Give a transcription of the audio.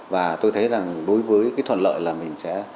và tôi thấy rằng đối với cái thuận lợi là mình sẽ